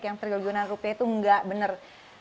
yang terguna rupiah itu enggak bener